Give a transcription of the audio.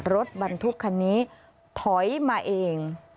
รถบรรทุกคันนี้ถอยมาเอง